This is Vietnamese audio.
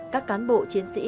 các cán bộ chiến sĩ